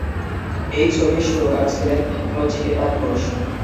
এই ছবির সুরকার ছিলেন নচিকেতা ঘোষ।